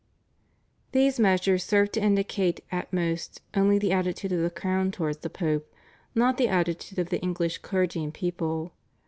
These measures serve to indicate at most only the attitude of the Crown towards the Pope, not the attitude of the English clergy and people.